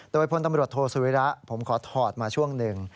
โดยพลตำรวจโทษสุวิระผมขอถอดมาช่วงหนึ่ง